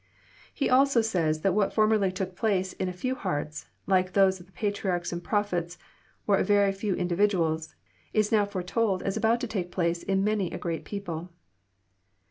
He also says that what formerly took place in a few hea::ts, like those of the patriarchs and prophets, or very few individuals, is now foretold as about to take place in many a great people.